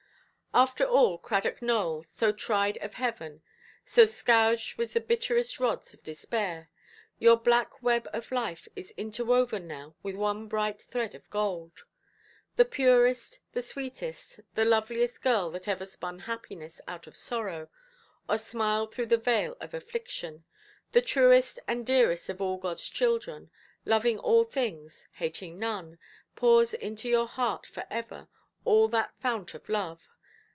After all, Cradock Nowell, so tried of Heaven, so scourged with the bitterest rods of despair, your black web of life is inwoven now with one bright thread of gold. The purest, the sweetest, the loveliest girl that ever spun happiness out of sorrow, or smiled through the veil of affliction, the truest and dearest of all Godʼs children, loving all things, hating none, pours into your heart for ever all that fount of love.